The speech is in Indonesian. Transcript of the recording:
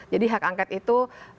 jadi hak angket itu